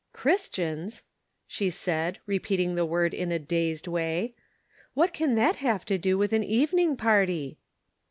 " Christians !" she said, repeating the word in a dazed way. " What can that have to do with an evening party